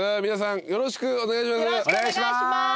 よろしくお願いします。